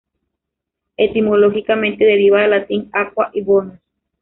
Etimológicamente deriva del latín "aqua" y "bonus".